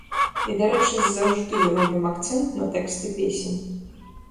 І, дарэчы, заўжды робім акцэнт на тэксты песень.